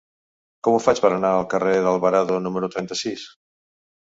Com ho faig per anar al carrer d'Alvarado número trenta-sis?